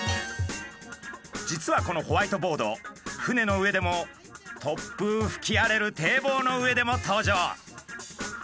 実はこのホワイトボード船の上でも突風ふき荒れる堤防の上でも登場。